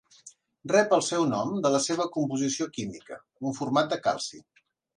Rep el seu nom de la seva composició química: un format de calci.